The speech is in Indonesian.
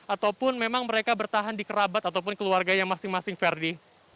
ataupun memang mereka bertahan di kerabat ataupun keluarganya masing masing verdi